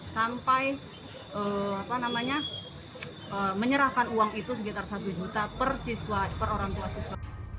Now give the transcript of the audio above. sampai menyerahkan uang itu sekitar satu juta per orang tua siswa